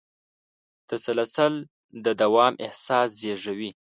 تسلسل د دوام احساس زېږوي.